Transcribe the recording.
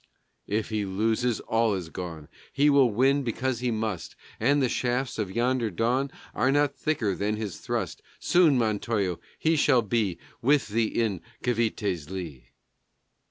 If he loses, all is gone; He will win because he must. And the shafts of yonder dawn Are not quicker than his thrust. Soon, Montojo, he shall be With thee in Cavité's lee.